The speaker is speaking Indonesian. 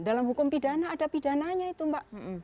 dalam hukum pidana ada pidananya itu mbak